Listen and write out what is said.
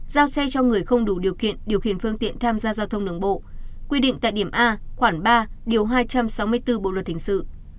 giao xe cho người không đủ điều kiện điều khiển phương tiện tham gia giao thông đường bộ quy định tại điểm a khoảng ba điều hai trăm sáu mươi bốn bộ luật hình sự